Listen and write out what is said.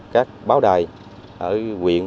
các báo đài ở quyện